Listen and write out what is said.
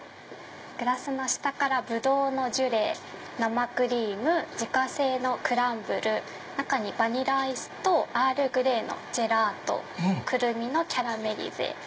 グラスの下からブドウのジュレ生クリーム自家製のクランブル中にバニラアイスとアールグレイのジェラートクルミのキャラメリゼ